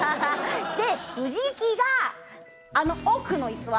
で藤木があの奥の椅子は？